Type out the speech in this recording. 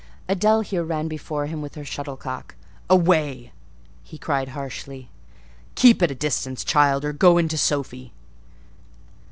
Adèle here ran before him with her shuttlecock. "Away!" he cried harshly; "keep at a distance, child; or go in to Sophie!"